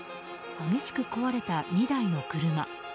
激しく壊れた２台の車。